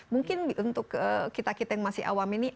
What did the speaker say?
mungkin untuk kita kita yang masih awam ini